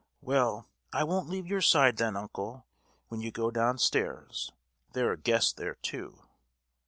Well, I won't leave your side, then, uncle, when you go downstairs. There are guests there too!"